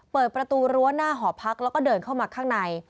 เปิดประตูรั้วหน้าหอพักแล้วก็เดินเข้ามาข้างใน